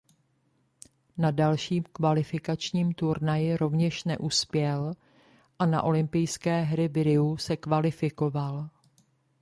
Na dalším kvalifikačním turnaji rovněž neuspěl a na olympijské hry v Riu se kvalifikoval.